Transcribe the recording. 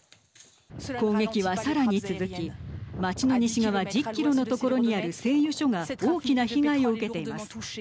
攻撃は、さらに続き街の西側１０キロの所にある製油所が大きな被害を受けています。